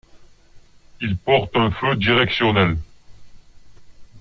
Il porte un feu directionnel.